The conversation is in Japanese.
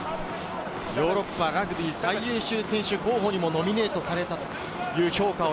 ヨーロッパラグビー最優秀選手候補にもノミネートされました。